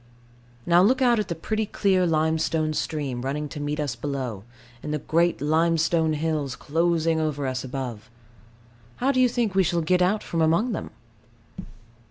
Now look out at the pretty clear limestone stream running to meet us below, and the great limestone hills closing over us above. How do you think we shall get out from among them?